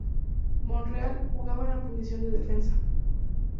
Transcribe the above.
Monreal jugaba en la posición de defensa.